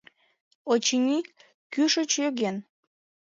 Очыни, кӱшыч йоген.